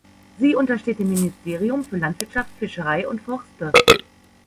Sie untersteht dem Ministerium für Landwirtschaft, Fischerei und Forste.